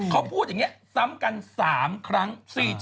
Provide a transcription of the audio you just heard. เขาพูดอย่างนี้ซ้ำกัน๓ครั้ง